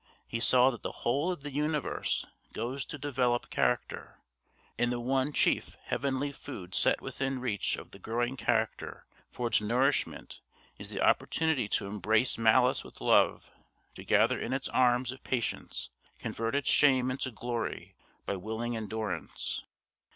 He saw that the whole of the universe goes to develop character, and the one chief heavenly food set within reach of the growing character for its nourishment is the opportunity to embrace malice with love, to gather it in the arms of patience, convert its shame into glory by willing endurance.